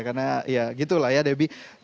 karena ya gitu lah ya debbie